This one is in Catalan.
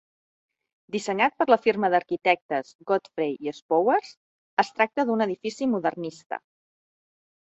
Dissenyat per la firma d'arquitectes Godfrey i Spowers, es tracta d'un edifici modernista.